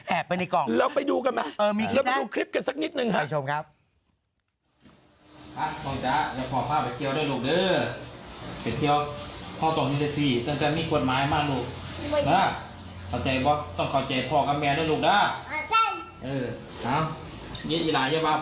แอบไปในกล่องน่ะเออมีคลิปนะไปชมครับแล้วไปดูกันมาแล้วไปดูคลิปกันสักนิดหนึ่ง